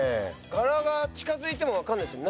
柄が近づいてもわかんないですね。